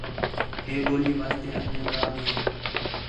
ہِے ٻولی واسطے انڄیاں کا بھی